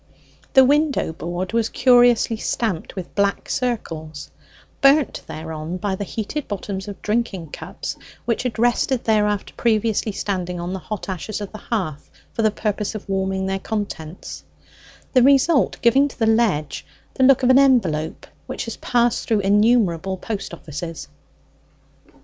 The window board was curiously stamped with black circles, burnt thereon by the heated bottoms of drinking cups, which had rested there after previously standing on the hot ashes of the hearth for the purpose of warming their contents, the result giving to the ledge the look of an envelope which has passed through innumerable post offices.